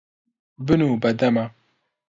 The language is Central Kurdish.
بنوو بە دەما.